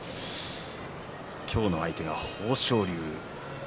今日の相手は豊昇龍。